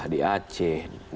dan di sengketa tujuh belas